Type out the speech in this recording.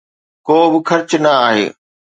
ڪو به خرچ نه آهي.